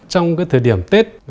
trong cái thời điểm tết